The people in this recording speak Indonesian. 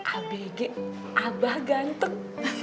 abg abah ganteng